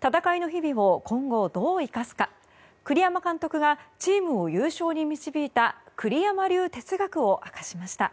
闘いの日々を今後どう生かすか栗山監督がチームを優勝に導いた栗山流哲学を明かしました。